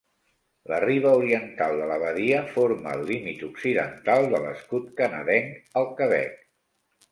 La riba oriental de la badia forma el límit occidental de l'escut canadenc, al Quebec.